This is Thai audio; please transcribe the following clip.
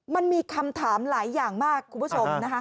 มันมีคำถามหลายอย่างมากคุณผู้ชมนะคะ